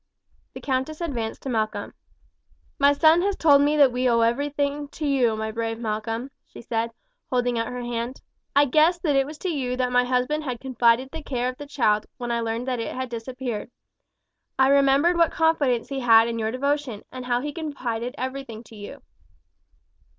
The countess advanced to Malcolm. "My son has told me that we owe everything to you, my brave Malcolm!" she said, holding out her hand. "I guessed that it was to you that my husband had confided the care of the child when I learned that it had disappeared. I remember what confidence he had in your devotion, and how he confided everything to you."